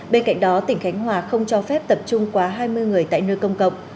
bên cạnh đó tỉnh khánh hòa không cho phép tập trung quá hai mươi người tại nơi công cộng